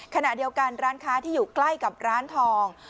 ขณะเดียวกันร้านค้าที่อยู่ใกล้กับร้านทอง